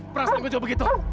perasaan gue jauh begitu